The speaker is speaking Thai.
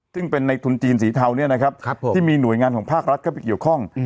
ซึ่งเป็นในทุนจีนสีเทาเนี่ยนะครับผมที่มีหน่วยงานของภาครัฐเข้าไปเกี่ยวข้อง